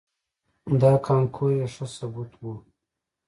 دا کانکور یې ښه ثبوت و.